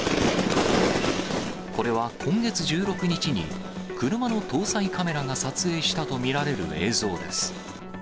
これは今月１６日に車の搭載カメラが撮影したと見られる映像です。